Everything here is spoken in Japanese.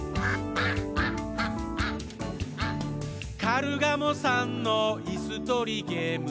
「カルガモさんのいすとりゲーム」